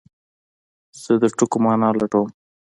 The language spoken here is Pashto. زه د ټکو مانا لټوم.